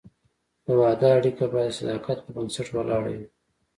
د واده اړیکه باید د صداقت پر بنسټ ولاړه وي.